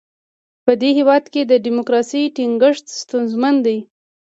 په دې هېواد کې د ډیموکراسۍ ټینګښت ستونزمن دی.